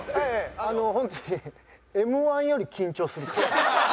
あの本当にＭ−１より緊張するで。